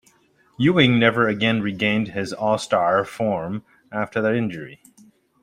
Ewing never again regained his All-Star form after that injury.